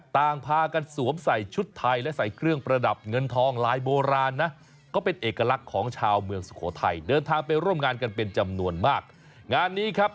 ต่างพากันสวมใส่ชุดไทยและใส่เครื่องประดับเงินทองลายโบราณนะ